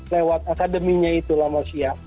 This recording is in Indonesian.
lewat akademinya itu lah mas yia